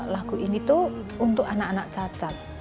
lagu ini tuh untuk anak anak cacat